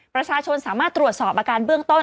ประชาชนสามารถตรวจสอบอาการเบื้องต้น